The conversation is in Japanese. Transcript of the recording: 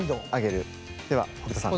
では北斗さん